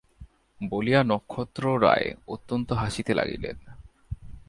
বলিয়া নক্ষত্ররায় অত্যন্ত হাসিতে লাগিলেন।